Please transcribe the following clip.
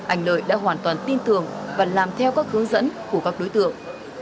anh lợi đã hoàn toàn tin tưởng và làm theo các hướng dẫn của các đối tượng